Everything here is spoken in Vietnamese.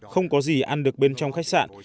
không có gì ăn được bên trong khách sạn